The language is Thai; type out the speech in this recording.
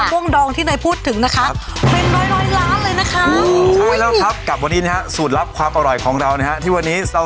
ว่งดองที่นายพูดถึงเป็น๑๐๐ล้านเลยนะคะ